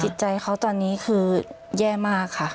จิตใจเขาตอนนี้คือแย่มากค่ะ